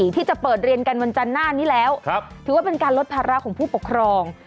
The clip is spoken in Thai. ที่จะเปิดเรียนกันวันจันทร์หน้านี้แล้วถือว่าเป็นการลดภาระของผู้ปกครอง